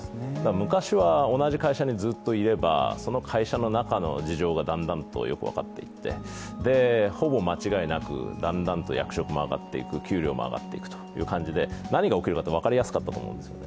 昔は同じ会社にずっといればその会社の中の事情がだんだんとよく分かっていって、ほぼ間違いなく、だんだんと役職も上がっていく給料も上がっていくということで、何が起きるか分かりやすかったと思うんです。